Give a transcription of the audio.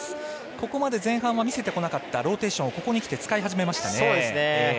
ここまで前半は見せてこなかったローテーションをここにきて、使い始めましたね。